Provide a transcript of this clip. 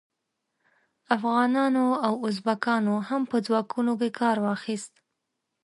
افغانانو او ازبکانو هم په ځواکونو کې کار واخیست.